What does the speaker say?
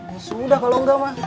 ya sudah kalau udah mas